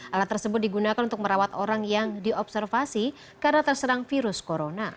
alat tersebut digunakan untuk merawat orang yang diobservasi karena terserang virus corona